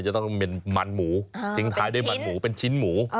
จะต้องเป็นมันหมูทิ้งท้ายด้วยมันหมูเป็นชิ้นหมู